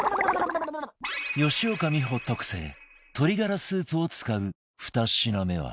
吉岡美穂特製鶏ガラスープを使う２品目は